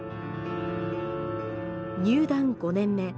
入団５年目。